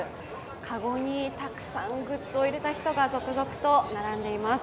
籠にたくさんグッズを入れた人が、続々と並んでいます。